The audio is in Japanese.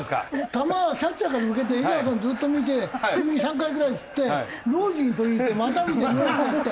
球はキャッチャーから抜けて江川さんずっと見て首３回ぐらい振ってロージン取りに行ってまた見てロー取って。